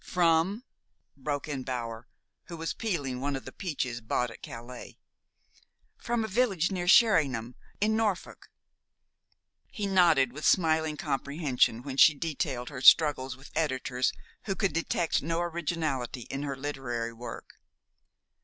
"From " broke in Bower, who was peeling one of the peaches bought at Calais. "From a village near Sheringham, in Norfolk." He nodded with smiling comprehension when she detailed her struggles with editors who could detect no originality in her literary work.